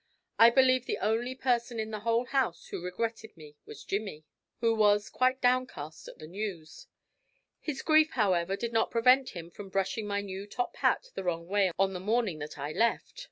I believe the only person in the whole house who regretted me was Jimmy, who was quite downcast at the news. His grief, however, did not prevent him from brushing my new top hat the wrong way on the morning that I left.